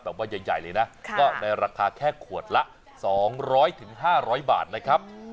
แบบว่าใหญ่ใหญ่เลยน่ะค่ะก็ในราคาแค่ขวดละสองร้อยถึงห้าร้อยบาทนะครับ